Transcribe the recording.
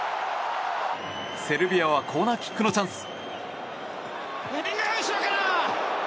セルビアはコーナーキックのチャンス。